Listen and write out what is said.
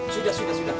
sudah sudah sudah